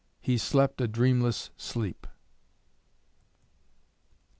He slept a dreamless sleep.